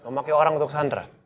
memakai orang untuk sandera